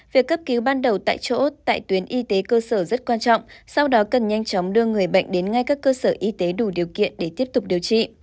việc cấp cứu ban đầu tại chỗ tại tuyến y tế cơ sở rất quan trọng sau đó cần nhanh chóng đưa người bệnh đến ngay các cơ sở y tế đủ điều kiện để tiếp tục điều trị